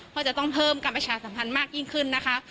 ก็จะต้องเพิ่มการประชาสัมพันธ์มากยิ่งขึ้นนะคะ